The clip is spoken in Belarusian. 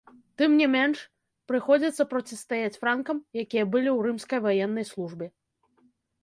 Тым не менш, прыходзіцца процістаяць франкам, якія былі ў рымскай ваеннай службе.